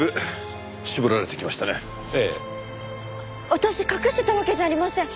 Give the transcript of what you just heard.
私隠してたわけじゃありません。